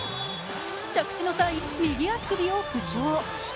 着地の際、右足首を負傷。